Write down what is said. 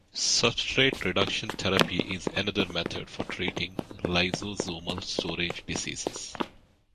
Substrate reduction therapy is another method for treating lysosomal storage diseases.